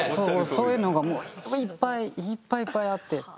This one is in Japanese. そういうのがもういっぱいいっぱいいっぱいあって。